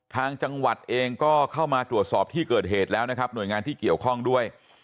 ทางจังหวัดเองก็เข้ามาตรวจสอบที่เกิดเหตุแล้วนะครับหน่วยงานที่เกี่ยวข้องด้วย